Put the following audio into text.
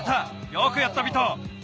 よくやったビト。